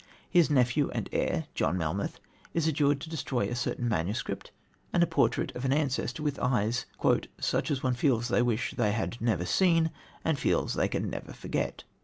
His nephew and heir, John Melmoth, is adjured to destroy a certain manuscript and a portrait of an ancestor with eyes "such as one feels they wish they had never seen and feels they can never forget."